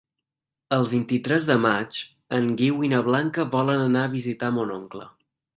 El vint-i-tres de maig en Guiu i na Blanca volen anar a visitar mon oncle.